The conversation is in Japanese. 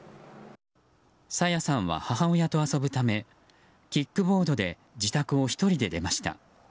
朝芽さんは母親と遊ぶためキックボードで自宅を１人で出ました。